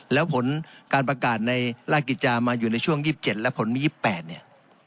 แล้วผลการประกาศในราชกิจจามาอยู่ในช่วง๒๗และผลมา๒๘เนี่ย